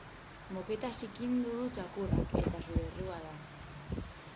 Moketa zikindu du txakurrak eta zure errua da.